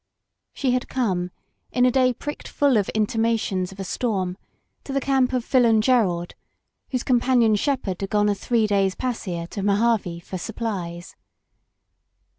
She had come, in a day pricked full of intimations of a storm, to the camp of Filon Geraud, whose companion shepherd had gone a three days' pasear to Mojave for supplies.